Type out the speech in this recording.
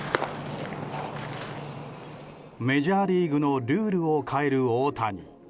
メジャーリーグのルールを変える大谷。